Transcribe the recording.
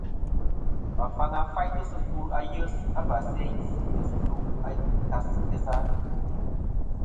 Và faŋa faytɨ sɨ kul ayes a và sæ sɨ yes ndo a kɨ yesa.